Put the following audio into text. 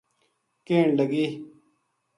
کہن لگی